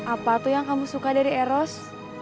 apa tuh yang kamu suka dari eros